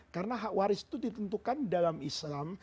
karena hak waris itu ditentukan dalam islam